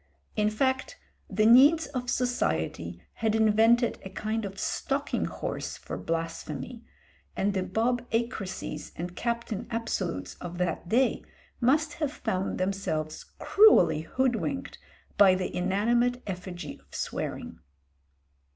In fact the needs of society had invented a kind of stalking horse for blasphemy, and the Bob Acreses and Captain Absolutes of that day must have found themselves cruelly hoodwinked by the inanimate effigy of swearing.